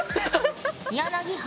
柳原。